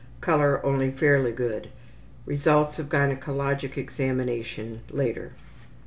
Color only fairly good. (Results of gynecologic examination later.)